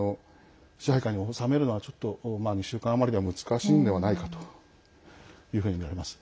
支配下に治めるのはちょっと、２週間余りでは難しいのではないかというふうにみられます。